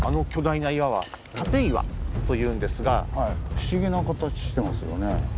不思議な形してますよね。